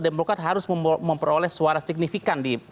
demokrat harus memperoleh suara signifikan